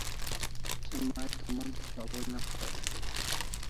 Se may to mondr Kabul ne kariu day